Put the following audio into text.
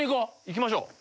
行きましょう。